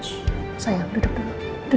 sayang duduk dulu